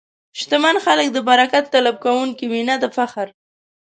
شتمن خلک د برکت طلب کوونکي وي، نه د فخر.